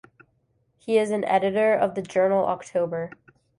He is an editor of the journal October.